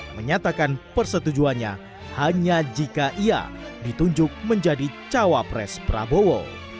menyatakan persetujuannya hanya jika ia ditunjuk menjadi cawapres prabowo